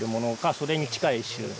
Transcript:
それに近い種。